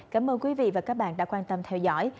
cảm ơn quý vị và các bạn đã quan tâm theo dõi